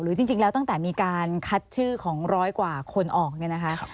จริงแล้วตั้งแต่มีการคัดชื่อของร้อยกว่าคนออกเนี่ยนะคะ